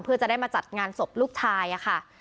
เพื่อจะได้มาจัดงานศพลูกชายค่ะ